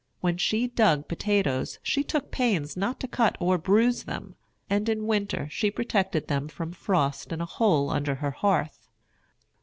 When she dug potatoes she took pains not to cut or bruise them; and in winter she protected them from frost in a hole under her hearth.